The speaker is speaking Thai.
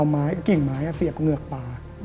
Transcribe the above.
เอาไม้กิ่งไม้เสียบเหงือกป่า